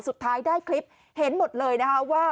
สุดท้ายได้คลิปเห็นหมดเลยนะคะว่า